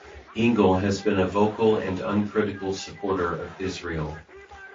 Engel has been a vocal and uncritical supporter of Israel.